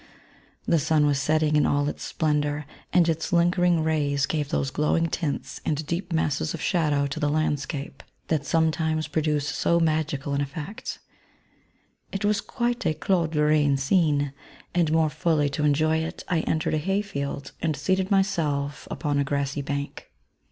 The sun was setting in all its splendour, and its lingering rays gave those glowing tints and deep masses of shadow to the landscape that sometimes pro ' V INTRODUCTION. duce SO magical an effect. It was quite a Claude Lorraine scene ; and more fully to en joy it, I entered a hay field, and seated myself upon a grassy bank.